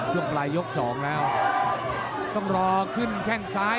ปลายยกสองแล้วต้องรอขึ้นแข้งซ้าย